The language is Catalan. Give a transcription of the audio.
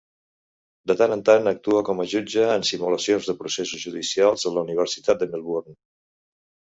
De tant en tant actua com a jutge en simulacions de processos judicials a la Universitat de Melbourne.